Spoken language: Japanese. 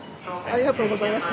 ありがとうございます。